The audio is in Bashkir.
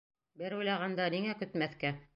Бер уйлағанда, ниңә көтмәҫкә?